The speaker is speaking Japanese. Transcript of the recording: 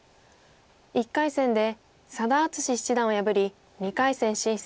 １回戦で佐田篤史七段を破り２回戦進出です。